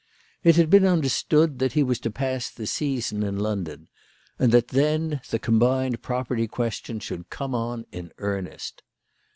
It had been understood that he was to pass the season in London, and that then the combined property question should come on in earnest.